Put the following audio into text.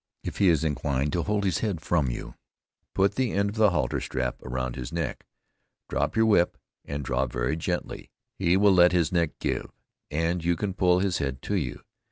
If he is inclined to hold his head from you, put the end of the halter strap around his neck, drop your whip, and draw very gently; he will let his neck give, and you can pull his head to you.